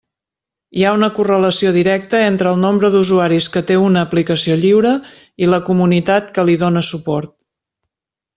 Hi ha una correlació directa entre el nombre d'usuaris que té una aplicació lliure i la comunitat que li dóna suport.